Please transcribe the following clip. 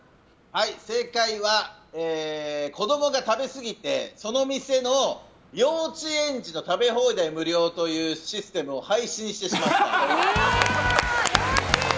正解は子供が食べ過ぎてその店の幼稚園児の食べ放題無料というシステムを廃止にしてしまった。